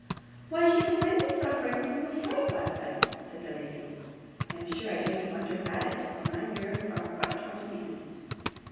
'Why, she complains of suffering from the fright of last night,' said the lady. 'I am sure I don't wonder at it, for my nerves are quite torn to pieces.